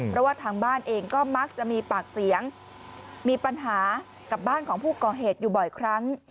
เพราะว่าทางบ้านเองก็มักจะมีปากเสียงมีปัญหากับบ้านของผู้ก่อเหตุอยู่บ่อยครั้ง